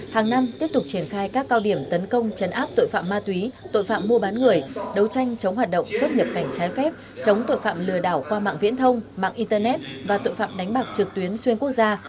hàng năm tiếp tục triển khai các cao điểm tấn công chấn áp tội phạm ma túy tội phạm mua bán người đấu tranh chống hoạt động xuất nhập cảnh trái phép chống tội phạm lừa đảo qua mạng viễn thông mạng internet và tội phạm đánh bạc trực tuyến xuyên quốc gia